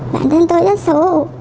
bản thân tôi rất xấu hổ